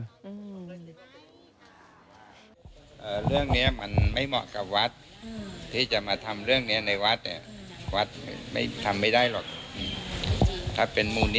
อภัยซึ่งกันแล้วกันก่อนแล้วกัน